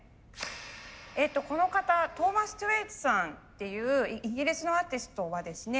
この方トーマス・トウェイツさんっていうイギリスのアーティストはですね